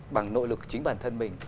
bằng nội lực chính bản thân mình